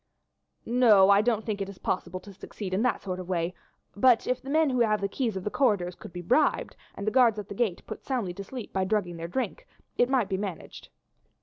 "No, I don't think it is possible to succeed in that sort of way; but if the men who have the keys of the corridors could be bribed, and the guard at the gate put soundly to sleep by drugging their drink, it might be managed."